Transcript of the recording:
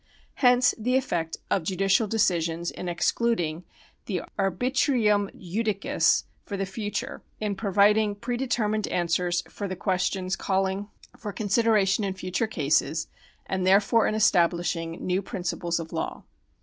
Hence the effect of judicial deci sions in excluding the arbitrium judicis for the future, in pro viding predetermined answers for the questions calling for § 67] PRECEDENT 171 consideration in future cases, and therefore in establishing new principles of law.